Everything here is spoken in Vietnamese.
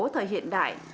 thời hiện đại